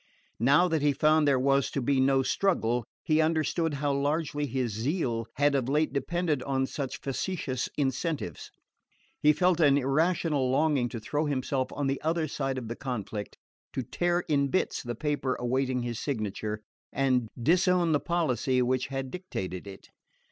Now that he found there was to be no struggle he understood how largely his zeal had of late depended on such factitious incentives. He felt an irrational longing to throw himself on the other side of the conflict, to tear in bits the paper awaiting his signature, and disown the policy which had dictated it.